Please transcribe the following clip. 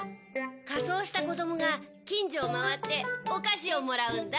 仮装した子供が近所を回ってお菓子をもらうんだ。